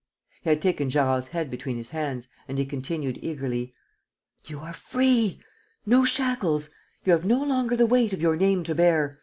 ..." He had taken Gérard's head between his hands and he continued, eagerly: "You are free! No shackles! You have no longer the weight of your name to bear!